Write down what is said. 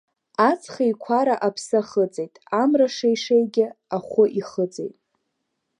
Аҵх еиқәара аԥсы ахыҵит, амра шеишеигьы ахәы ихыҵит.